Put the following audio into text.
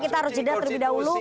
kita harus jeda terlebih dahulu